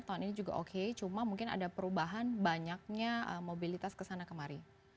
tahun ini juga oke cuma mungkin ada perubahan banyaknya mobilitas kesana kemari